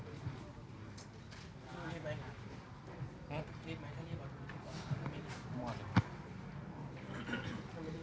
เดี๋ยวพอเซ็นต์เสร็จโอ้ไม่พี่สมชนถ่ายได้นะครับอนุญาตถ่าย